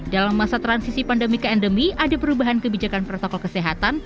dalam masa transisi pandemi ke endemi ada perubahan kebijakan protokol kesehatan